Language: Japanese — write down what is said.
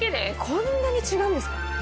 こんなに違うんですか。